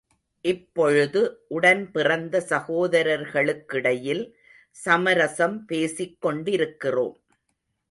இப்பொழுது உடன் பிறந்த சகோதரர்களுக்கிடையில் சமரசம் பேசிக் கொண்டிருக்கிறோம்.